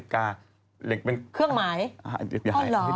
เครื่องหมาย